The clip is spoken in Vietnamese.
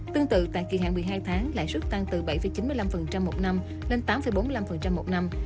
tương tự tại kỳ hạn một mươi hai tháng lãi suất tăng từ bảy chín mươi năm một năm lên tám bốn mươi năm một năm